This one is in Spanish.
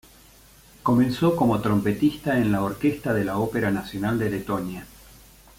Comenzó como trompetista en la Orquesta de la Ópera Nacional de Letonia.